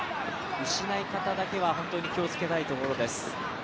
失い方だけは、本当に気をつけたいところです。